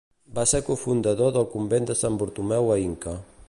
Va ser cofundador del convent de Sant Bartomeu a Inca.